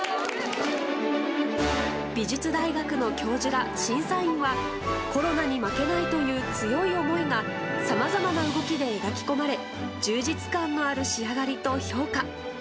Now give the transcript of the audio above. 美術大学の教授ら審査員は、コロナに負けないという強い思いが、さまざまな動きで描き込まれ、充実感のある仕上がりと評価。